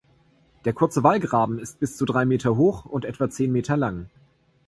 Der kurze Wallgraben ist bis zu drei Meter hoch und etwa zehn Meter lang.